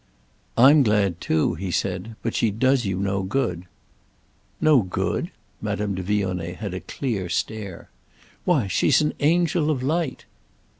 "I'm glad too," he said; "but she does you no good." "No good?"—Madame de Vionnet had a clear stare. "Why she's an angel of light."